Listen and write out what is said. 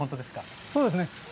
そうですね。